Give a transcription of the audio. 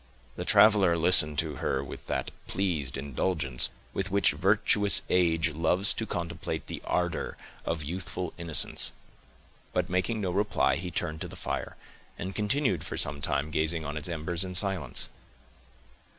The traveler listened to her with that pleased indulgence, with which virtuous age loves to contemplate the ardor of youthful innocence; but making no reply, he turned to the fire, and continued for some time gazing on its embers, in silence.